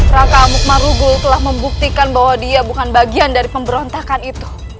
raka mukmarugul telah membuktikan bahwa dia bukan bagian dari pemberontakan itu